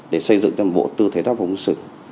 để xây dựng tầm bộ tư thế tác phong ứng xử